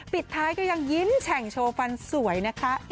ปิดท้ายก็ยังยิ้มแฉ่งโชว์ฟันสวยนะคะ